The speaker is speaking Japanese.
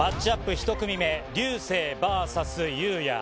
１組目、竜青ＶＳ雄哉。